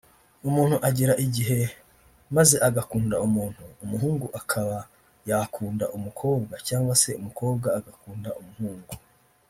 umuntu agera igihe maze agakunda umuntu ; umuhungu akaba yakunda umukobwa cyangwa se umukobwa agakunda umuhungu